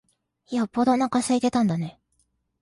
よっぽどおなか空いてたんだね。